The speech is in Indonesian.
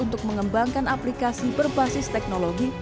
untuk mengembangkan aplikasi berbasis teknologi